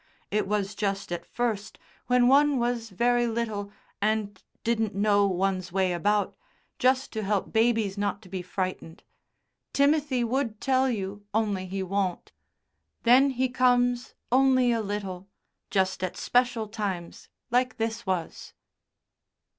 It was just at first, when one was very little and didn't know one's way about just to help babies not to be frightened. Timothy would tell you only he won't. Then he comes only a little just at special times like this was."